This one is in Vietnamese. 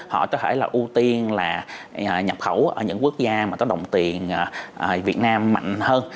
họ có thể là ưu tiên là nhập khẩu ở những quốc gia mà có đồng tiền việt nam mạnh hơn